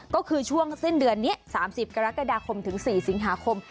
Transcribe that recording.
ก็คือช่วงสิ้นเดือนนี้๓๐กรกฎาคมถึง๔สิงหาคม